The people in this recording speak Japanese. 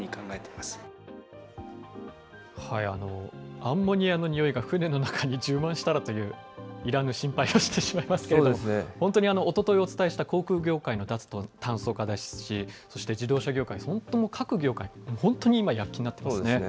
アンモニアのにおいが船の中に充満したらという、いらぬ心配をしてしまいますけれども、本当におとといお伝えした航空業界も脱炭素化ですし、そして自動車業界、本当に各業界、本当に今、躍起になっていますね。